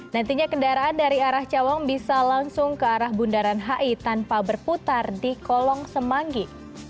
nantinya kendaraan dari arah cawang bisa langsung ke arah bundaran hi tanpa berputar di kolong semanggi